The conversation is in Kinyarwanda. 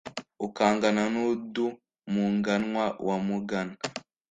ukangana n’undu muganwa wa mugana